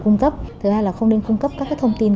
cung cấp thứ hai là không nên cung cấp các thông tin